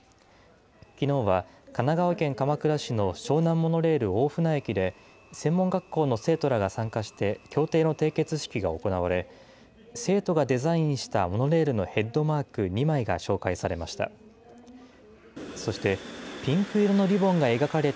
きのうは神奈川県鎌倉市の湘南モノレール大船駅で専門学校の生徒らが参加して、協定の締結式が行われ、生徒がデザインしたモノレールのヘッドマーク２枚が紹介されました。